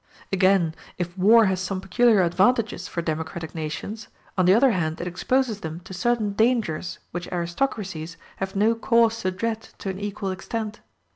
Again, if war has some peculiar advantages for democratic nations, on the other hand it exposes them to certain dangers which aristocracies have no cause to dread to an equal extent.